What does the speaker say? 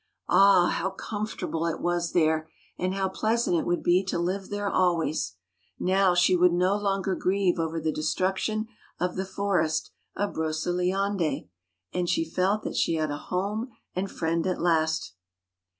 Ah ! how comfortable it was there, and how pleasant it would be to live there always ! Now she would no longer grieve over the destruction of the forest of Broceliande, and she felt that she had a home and friend at last.